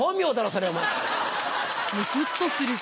それお前。